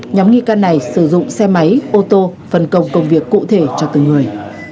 nhóm nghi can này sử dụng xe máy ô tô phân công công việc cụ thể cho từng người